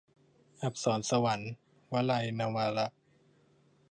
อัปสรสวรรค์ - วลัย นวาระ